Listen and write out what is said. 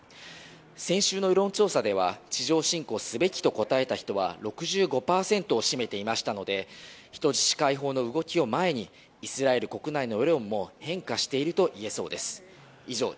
先週の世論調査では地上侵攻すべきと答えた人は６５％を占めていましたので人質解放の動きを前にイスラエル国内の世論も変化しているといえそうです。